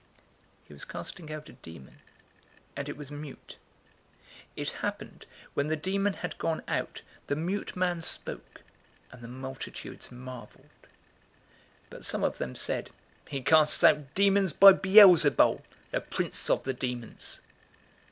011:014 He was casting out a demon, and it was mute. It happened, when the demon had gone out, the mute man spoke; and the multitudes marveled. 011:015 But some of them said, "He casts out demons by Beelzebul, the prince of the demons."